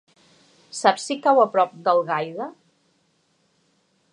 Saps si cau a prop d'Algaida?